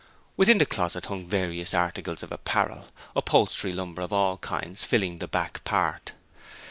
Within the closet hung various articles of apparel, upholstery lumber of all kinds filling the back part.